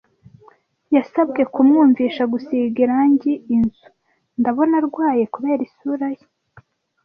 Yasabwe kumwumvisha gusiga irangi inzu. Ndabona arwaye kubera isura ye.